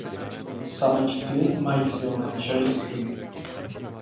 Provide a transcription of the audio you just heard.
Samečci mají silné čelisti.